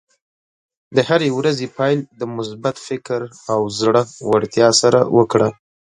د هرې ورځې پیل د مثبت فکر او زړۀ ورتیا سره وکړه.